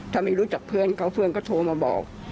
ถ้าไม่รู้จักเพื่อนเขาเพื่อนก็โทรมาบอก